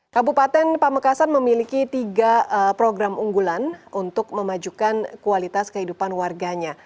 kabupaten pamekasan memiliki tiga program unggulan untuk memajukan kualitas kehidupan warganya